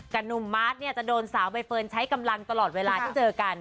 กับหนุ่มมจะโดนสาวใบเฟินใช้กำลังตลอดเวลาที่เจอกัน